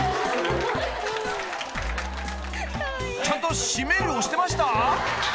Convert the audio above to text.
［ちゃんと「閉める」押してました？］